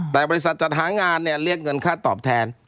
แต่บริษัทจัดหางานเนี่ยเรียกเงินค่าตอบแทน